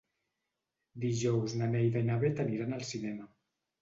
Dijous na Neida i na Bet aniran al cinema.